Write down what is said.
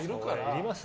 いります？